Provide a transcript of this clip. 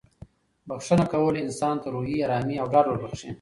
بښنه کول انسان ته روحي ارامي او ډاډ وربښي.